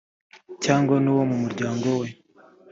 cyangwa n uwo mu muryango we